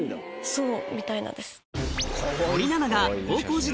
そうみたいなんです。